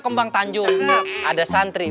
kembang tanjung ada santri